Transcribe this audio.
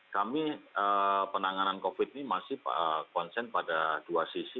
kami penanganan covid ini masih konsen pada dua sisi